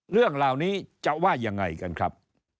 เรื่องเหล่านี้จะว่ายังไงกันครับ